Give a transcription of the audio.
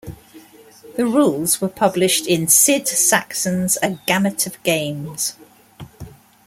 The rules were published in Sid Sackson's "A Gamut of Games".